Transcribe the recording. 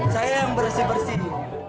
saya yang bersih bersih